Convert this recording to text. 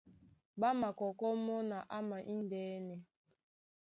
Ɓá makɔkɔ́ mɔ́ na ama índɛ́nɛ.